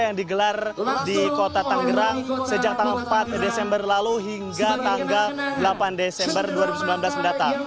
yang digelar di kota tanggerang sejak tanggal empat desember lalu hingga tanggal delapan desember dua ribu sembilan belas mendatang